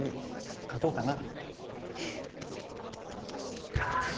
書こうかな。